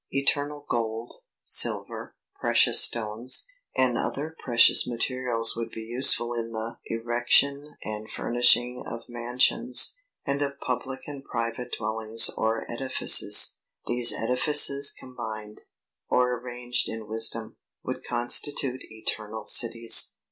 Eternal gold, silver, precious stones, and other precious materials would be useful in the erection and furnishing of mansions, and of public and private dwellings or edifices. These edifices combined, or arranged in wisdom, would constitute eternal cities.